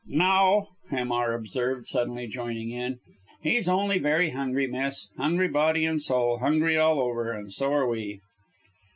"No!" Hamar observed, suddenly joining in. "He's only very hungry, miss. Hungry body and soul! hungry all over. And so are we."